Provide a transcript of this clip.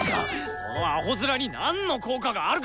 そのアホ面に何の効果があるか！